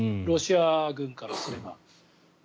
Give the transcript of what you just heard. ロシア軍からすれば。